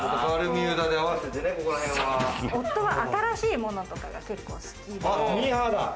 夫は新しいものとかが結構好きで。